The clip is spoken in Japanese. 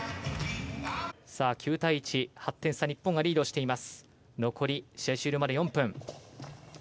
８点差、日本がリードしています。